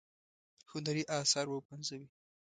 هنري آثار وپنځوي.